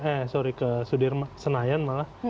eh sorry ke sudirman senayan malah